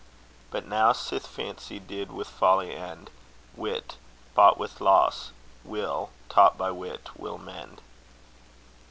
But now sith fancy did with folly end, Wit, bought with loss will, taught by wit, will mend.